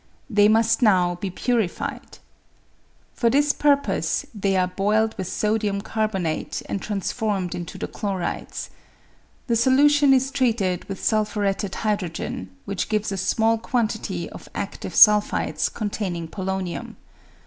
They must now be purified. For this purpose they are boiled with sodium carbonate and transformed into the chlorides. The solution is treated with sulphuretted hydrogen, which gives a small quantity of adive sulphides containing polonium.